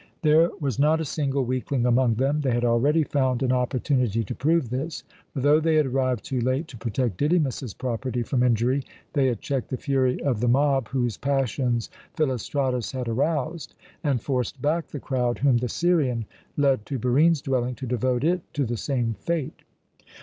There was not a single weakling among them. They had already found an opportunity to prove this; for, though they had arrived too late to protect Didymus's property from injury, they had checked the fury of the mob whose passions Philostratus had aroused, and forced back the crowd whom the Syrian led to Barine's dwelling to devote it to the same fate.